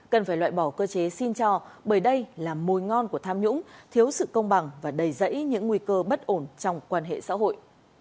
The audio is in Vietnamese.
cần phải loại bỏ cơ chế xin cho bởi đây là mùi ngon của tham nhũng thiếu sự công bằng và đầy dãy những nguy cơ bất ổn trong quan hệ xã hội